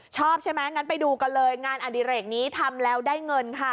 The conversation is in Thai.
ชอบใช่ไหมงั้นไปดูกันเลยงานอดิเรกนี้ทำแล้วได้เงินค่ะ